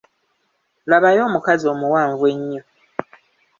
Labayo omukazi omuwanvu ennyo.